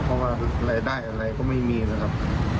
เพราะว่ารายได้อะไรก็ไม่มีนะครับ